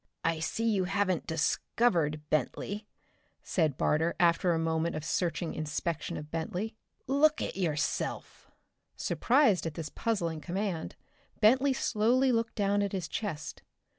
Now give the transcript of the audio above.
"I see you haven't discovered, Bentley," said Barter after a moment of searching inspection of Bentley. "Look at yourself!" Surprised at this puzzling command, Bentley slowly looked down at his chest.